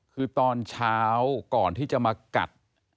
คือตอนเช้าก่อนที่จะมากัด